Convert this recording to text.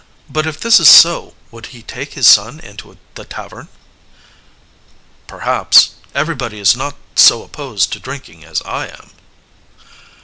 But if this is so, would he take his son into the tavern?" "Perhaps everybody is not so opposed to drinking as I am."